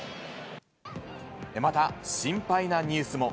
また、心配なニュースも。